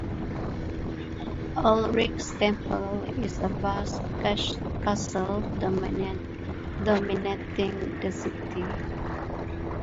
Ulric's temple is a vast castle, dominating the city.